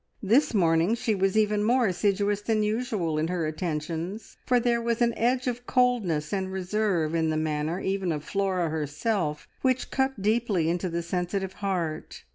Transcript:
This morning she was even more assiduous than usual in her attentions, for there was an edge of coldness and reserve in the manner even of Flora herself which cut deeply into the sensitive heart.